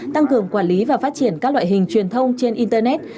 tăng cường quản lý và phát triển các loại hình truyền thông trên internet